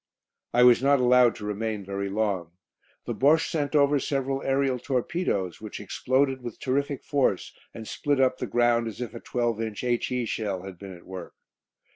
I was not allowed to remain very long. The Bosche sent over several aerial torpedoes, which exploded with terrific force and split up the ground as if a 12 inch H.E. shell had been at work.